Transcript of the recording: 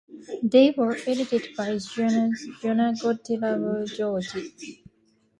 They were edited by Johann Gottlieb Georgi.